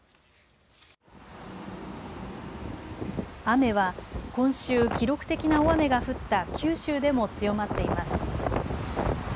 雨は今週、記録的な大雨が降った九州でも強まっています。